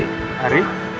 aku mau pergi dulu